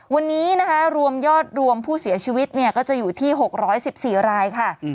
วันนี้นะคะรวมยอดรวมผู้เสียชีวิตก็จะอยู่ที่๖๑๔รายค่ะ